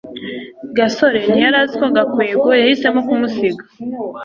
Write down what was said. gasore ntiyari azi ko gakwego yahisemo kumusiga